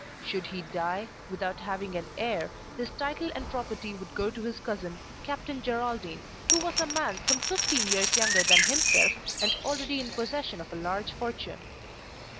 Should he die, without having an heir, his title and property would go to his cousin, Captain Geraldine, who was a man some fifteen years younger than himself and already in possession of a large fortune.